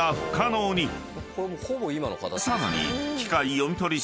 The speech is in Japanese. ［さらに］